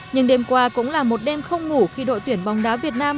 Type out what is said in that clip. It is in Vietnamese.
nhưng đêm qua cũng là một đêm không ngủ khi đội tuyển bóng đá việt nam